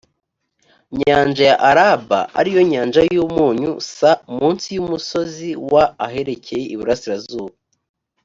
nyanja ya araba ari yo nyanja y umunyu s munsi y umusozi wa aherekeye iburasirazuba